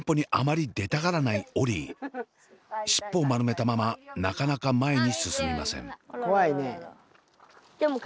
尻尾を丸めたままなかなか前に進みません。